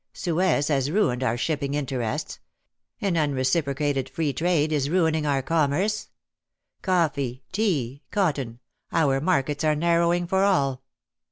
Suez has ruined our shipping interests ; an unreciprocated free trade is ruining our commerce. Coffee, tea, cotton — our markets are nar rowing for all.